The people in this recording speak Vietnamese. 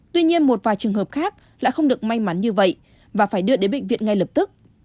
tuy nhiên một vài trường hợp khác lại không được may mắn như vậy và phải đưa đến bệnh viện ngay lập tức